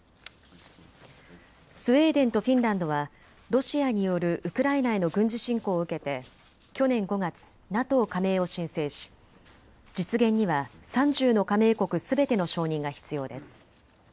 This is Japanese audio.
スウェーデンとフィンランドはロシアによるウクライナへの軍事侵攻を受けて去年５月、ＮＡＴＯ加盟を申請し実現には３０の加盟国すべての承認が必要です。